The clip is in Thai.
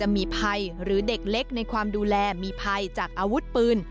มีภัยหรือเด็กเล็กในความดูแลมีภัยจากอาวุธปืน